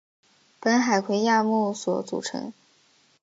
本海葵亚目所组成。